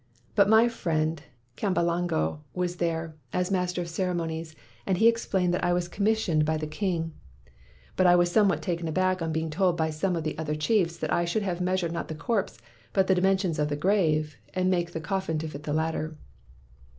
But my friend Kyambalango was there, as master of ceremonies, and he ex plained that I was commissioned by the 182 MACKAY'S NEW NAME king. But I was somewhat taken aback on being told by some of the other chiefs that I should have measured not the corpse but the dimensions of the grave, and make the coffin to fit the latter.